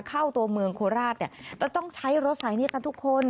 เข้าตัวเมืองโคราชเนี่ยจะต้องใช้รถสายนี้กันทุกคน